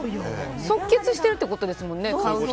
即決しているということですもんね